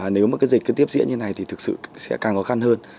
nếu mà dịch tiếp diễn như thế này thì thực sự sẽ càng khó khăn hơn